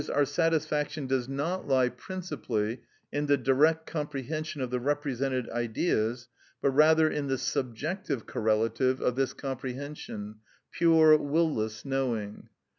_, our satisfaction does not lie principally in the direct comprehension of the represented Ideas, but rather in the subjective correlative of this comprehension, pure, will less knowing.